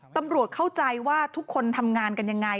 ตำรวจเข้าใจว่าทุกคนทำงานกันยังไง